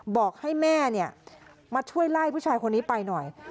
บอกให้แม่มาช่วยไล่ผู้ชายคนนี้ไปหน่อย